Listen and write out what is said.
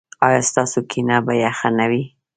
ایا ستاسو کینه به یخه نه وي؟